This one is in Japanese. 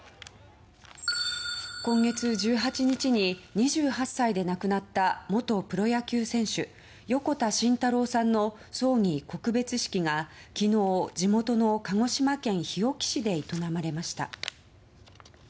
今月１８日に２８歳で亡くなった元プロ野球選手横田慎太郎さんの葬儀・告別式が昨日、地元の鹿児島県日置市で営まれました。